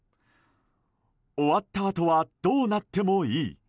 終わったあとはどうなってもいい。